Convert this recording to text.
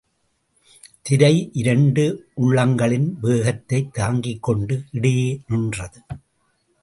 திரை இரண்டு உள்ளங்களின் வேகத்தைத் தாங்கிக்கொண்டு இடையே நின்றது.